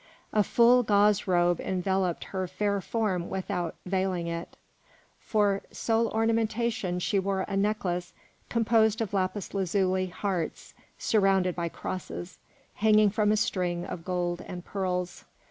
A full gauze robe enveloped her fair form without veiling it. For sole ornament she wore a necklace composed of lapis lazuli hearts surmounted by crosses, hanging from a string of gold and pearls.